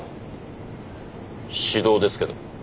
指導ですけど。